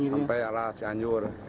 sampai arah cianjur